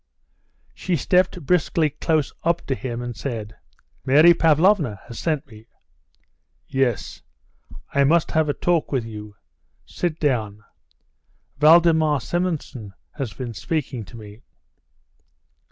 She stepped briskly close up to him and said, "Mary Pavlovna has sent me." "Yes, I must have a talk with you. Sit down. Valdemar Simonson has been speaking to me."